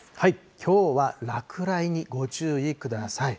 きょうは落雷にご注意ください。